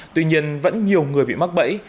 tuy nhiên vẫn nhiều người bị mắc bẫy